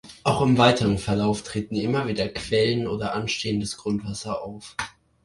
Auch im weiteren Verlauf treten immer wieder Quellen oder anstehendes Grundwasser auf.